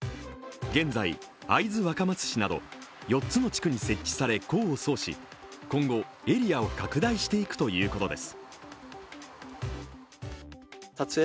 現在、会津若松市など４つの地区に設置され、功を奏し、今後、エリアを拡大していくということです。